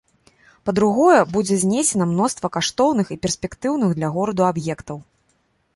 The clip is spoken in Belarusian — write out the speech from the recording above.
Па-другое, будзе знесена мноства каштоўных і перспектыўных для гораду аб'ектаў.